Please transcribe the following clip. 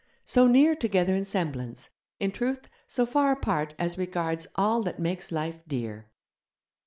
So near together in semblance; in truth, so far apart as regards all that makes life dear.